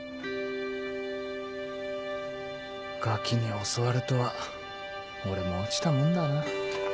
ガキに教わるとは俺も落ちたもんだな。